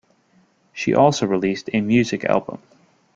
She also released a music album.